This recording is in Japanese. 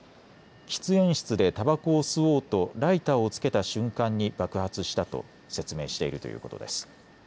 喫煙室でたばこを吸おうとライターをつけた瞬間に爆発したと説明しているということです。